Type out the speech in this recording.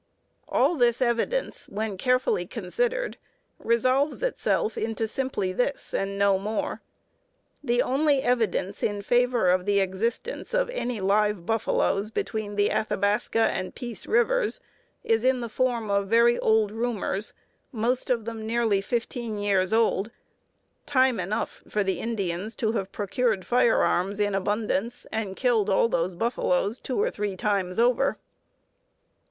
All this evidence, when carefully considered, resolves itself into simply this and no more: The only evidence in favor of the existence of any live buffaloes between the Athabasca and Peace Rivers is in the form of very old rumors, most of them nearly fifteen years old; time enough for the Indians to have procured fire arms in abundance and killed all those buffaloes two or three times over.